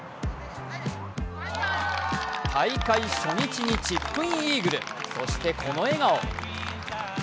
大会初日にチップインイーグル、そしてこの笑顔。